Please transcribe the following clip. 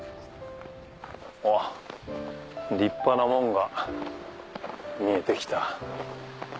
おっ立派な門が見えてきた。